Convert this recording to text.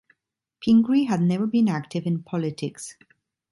Pingree had never been active in politics.